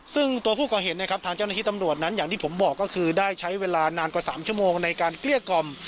ซึ่งตัวผู้ก่อเหตุนะครับทางเจ้าหน้าที่ตำรวจนั้นอย่างที่ผมบอกก็คือได้ใช้เวลานานกว่า๓ชั่วโมงในการเกลี้ยกล่อม